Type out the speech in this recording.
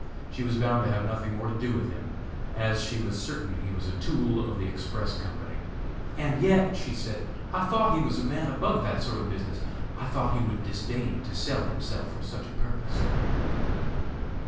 She was bound to have nothing more to do with him, as she was certain he was a tool of the Express Company. "And yet," she said, "I thought he was a man above that sort of business! I thought he would disdain to sell himself for such a purpose."